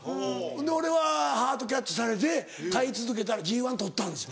ほんで俺はハートキャッチされて買い続けたら「Ｇ」取ったんです。